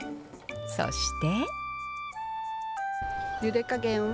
そして。